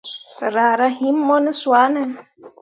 Raa rah him mo ne swane ?